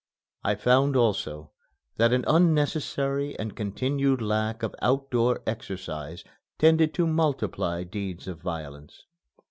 I found also that an unnecessary and continued lack of out door exercise tended to multiply deeds of violence.